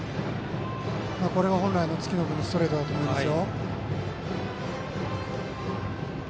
これが本来の月野君のストレートだと思います。